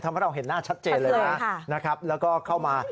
เราเห็นหน้าชัดเจนเลยนะครับแล้วก็เข้ามา